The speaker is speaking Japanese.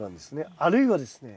あるいはですね